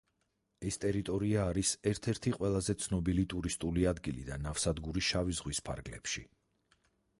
ეს ტერიტორია არის ერთ-ერთი ყველაზე ცნობილი ტურისტული ადგილი და ნავსადგური შავი ზღვის ფარგლებში.